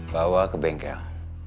bawa ke bengkel